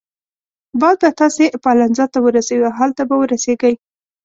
باد به تاسي پالنزا ته ورسوي او هلته به ورسیږئ.